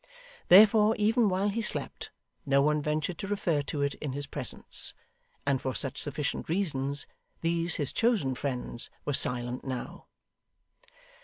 Therefore, even while he slept, no one ventured to refer to it in his presence; and for such sufficient reasons, these his chosen friends were silent now.